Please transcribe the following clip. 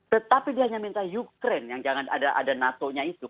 tetapi dia hanya minta ukraine yang jangan ada natonya itu